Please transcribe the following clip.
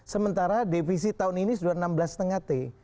sementara defisit tahun ini sudah enam belas lima t